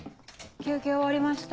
休憩終わりました。